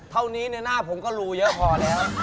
เท่านี้หน้าผมก็รูเยอะพอแล้ว